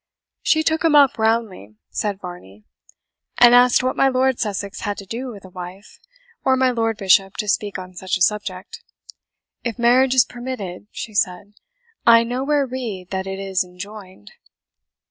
"She took him up roundly," said Varney, "and asked what my Lord Sussex had to do with a wife, or my Lord Bishop to speak on such a subject. 'If marriage is permitted,' she said, 'I nowhere read that it is enjoined.'"